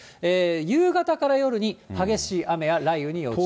夕方から夜に激しい雨や雷雨に要注意。